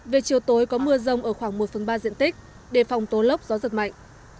về chiều tối có mưa rông ở khoảng một phần ba diện tích đề phòng tố lốc gió giật mạnh